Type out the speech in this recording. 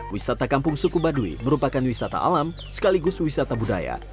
wisata kampung suku baduy merupakan wisata alam sekaligus wisata budaya